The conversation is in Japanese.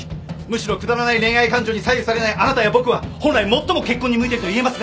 むしろくだらない恋愛感情に左右されないあなたや僕は本来最も結婚に向いてるといえますね。